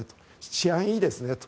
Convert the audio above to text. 治安がいいですねと。